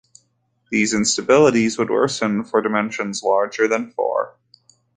These instabilities would worsen for dimensions larger than four.